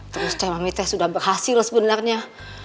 terus teh mami teh sudah berhasil sebenarnya